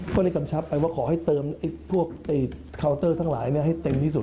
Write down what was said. ก็ได้กำชับไปว่าขอให้เติมทุกที่เล่นให้เต็มที่สุด